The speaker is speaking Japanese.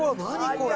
これ！